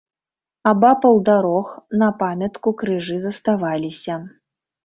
Абапал дарог на памятку крыжы заставаліся.